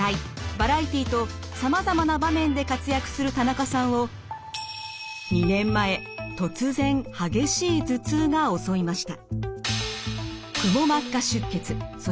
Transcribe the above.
バラエティーとさまざまな場面で活躍する田中さんを２年前突然激しい頭痛が襲いました。